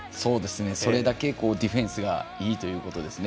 それだけディフェンスがいいということですね。